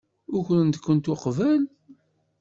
Ukren-kent uqbel?